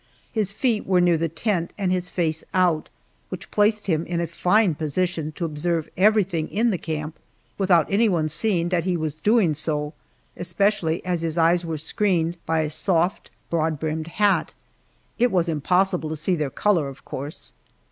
His feet were near the tent and his face out, which placed him in a fine position to observe everything in the camp without anyone seeing that he was doing so, especially as his eyes were screened by a soft, broad brimmed hat. It was impossible to see their color, of course.